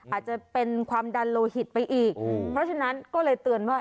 อาจจะเป็นความดันโลหิตไปอีกเพราะฉะนั้นก็เลยเตือนว่า